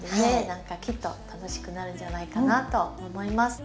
何かきっと楽しくなるんじゃないかなと思います。